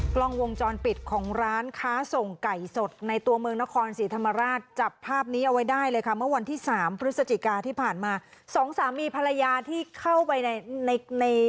กล้องวงจรปิดของร้านค้าส่งไก่สดในตัวเมืองนครศรีธรรมราชจับภาพนี้เอาไว้ได้เลยค่ะเมื่อวันที่สามพฤศจิกาที่ผ่านมาสองสามีภรรยาที่เข้าไปในใน